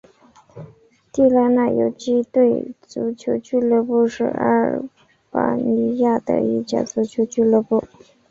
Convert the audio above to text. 地拉那游击队足球俱乐部是阿尔巴尼亚的一家足球俱乐部。